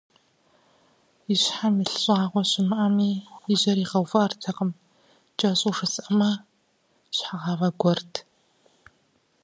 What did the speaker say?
И щхьэм илъ щӀагъуэ щымыӀэми, и жьэр увыӀэртэкъым, кӀэщӀу жысӀэмэ, щхьэгъавэ гуэрт.